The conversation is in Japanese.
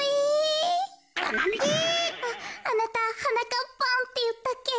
あなたはなかっぱんっていったっけ？